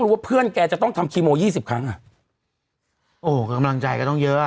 ว่าเพื่อนแกจะต้องทำคีโมยี่สิบครั้งอ่ะโอ้กำลังใจแกต้องเยอะอ่ะ